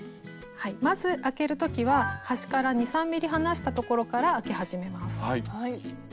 まずあける時は端から２３ｍｍ離したところからあけ始めます。